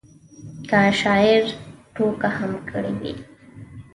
که شاعر ټوکه هم کړې وي.